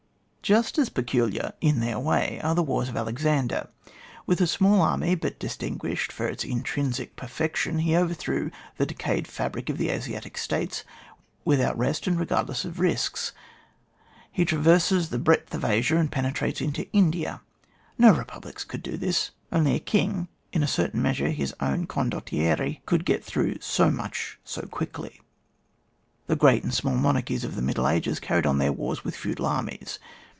Just as peculiar in their way are the wars of Alexander. With a small army, but distinguished for its intrinsic perfec tion, he overthrew the decayed fsu)ric of the Asiatic States ; without rest, and re gardless of risks, he traverses the breadth of Asia, and penetrates into India. No republics could do this. Only a king, in a certain measure his own condottiere, could get through so much so quickly. The great and small monarchies of the middle ages carried on their wars with feudal armies.